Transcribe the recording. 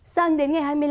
sang đến ngày hai mươi năm